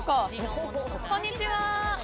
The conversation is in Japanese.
こんにちは。